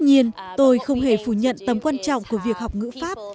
nhưng tôi không hề phủ nhận tầm quan trọng của việc học ngữ pháp